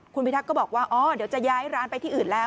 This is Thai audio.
คุณพิทักษ์ก็บอกว่าอ๋อเดี๋ยวจะย้ายร้านไปที่อื่นแล้ว